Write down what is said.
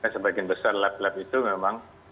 sebagian besar lab lab itu memang